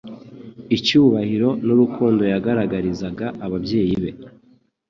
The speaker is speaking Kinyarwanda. icyubahiro n'urukundo yagaragagarizaga ababyeyi be,